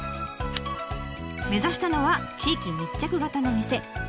目指したのは地域密着型の店。